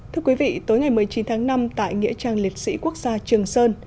thưa quý vị tối ngày một mươi chín tháng năm tại nghĩa trang liệt sĩ quốc gia trường sơn